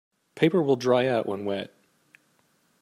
Paper will dry out when wet.